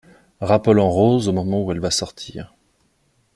Rappelant Rose au moment où elle va sortir.